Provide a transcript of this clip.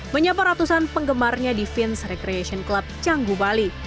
menyapa ratusan penggemarnya di fins recreation club canggu bali